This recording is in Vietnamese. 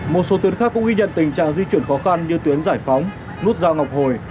một số tuyến khác cũng ghi nhận tình trạng di chuyển khó khăn như tuyến giải phóng nút giao ngọc hồi